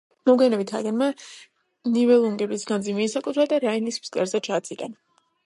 მოგვიანებით ჰაგენმა ნიბელუნგების განძი მიისაკუთრა და რაინის ფსკერზე ჩაძირა.